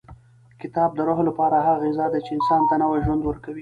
کتاب د روح لپاره هغه غذا ده چې انسان ته نوی ژوند ورکوي.